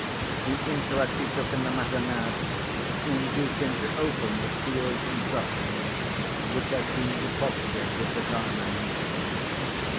The interest he took in the matter now, induced him to open the sealed instructions which had been deposited with the Diamond.